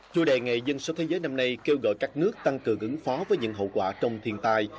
chủ đề ngày dân số thế giới năm nay kêu gọi các nước tăng cường ứng phó với những hậu quả trong thiên tai